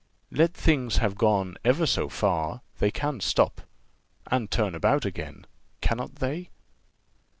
Let things have gone ever so far, they can stop, and turn about again, cannot they?